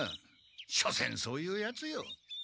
しょせんそういうヤツよ。